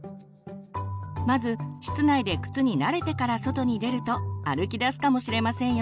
まず室内で靴に慣れてから外に出ると歩きだすかもしれませんよ。